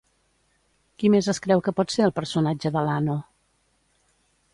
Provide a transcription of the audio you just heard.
Qui més es creu que pot ser el personatge de Lano?